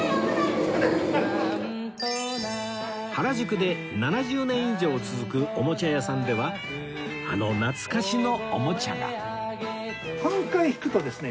原宿で７０年以上続くおもちゃ屋さんではあの懐かしのおもちゃが